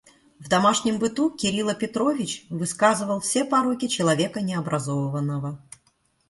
В домашнем быту Кирила Петрович выказывал все пороки человека необразованного.